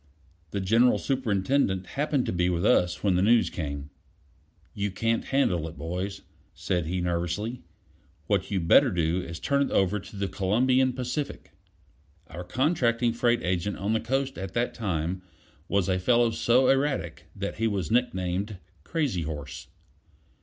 The General Superintendent happened to be with us when the news came. "You can't handle it, boys," said he nervously. "What you'd better do is to turn it over to the Columbian Pacific." Our contracting freight agent on the Coast at that time was a fellow so erratic that he was nicknamed "Crazy horse."